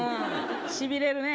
しびれるね。